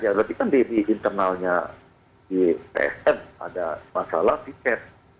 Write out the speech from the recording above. ya tapi kan di internalnya di psm ada masalah tiket